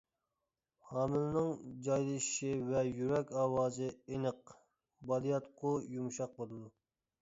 ھامىلىنىڭ جايلىشىشى ۋە يۈرەك ئاۋازى ئېنىق، بالىياتقۇ يۇمشاق بولىدۇ.